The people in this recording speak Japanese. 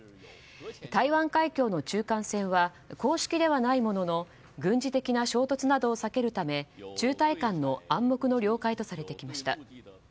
台湾海峡の中間線は公式ではないものの軍事的な衝突などを避けるため中台間の暗黙の了解とされてきました。